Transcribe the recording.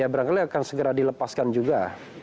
barangkali akan segera dilepaskan juga